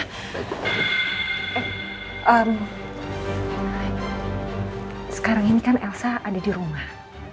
sekarang ini kan elsa ada di rumah